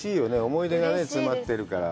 思い出が詰まってるから。